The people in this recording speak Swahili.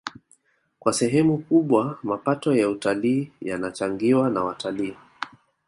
Kwa sehemu kubwa mapato ya utalii yanachangiwa na watalii